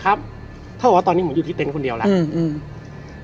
เท่ากับว่าตอนนี้ผมอยู่ที่เต็นต์คนเดียวแล้วอืม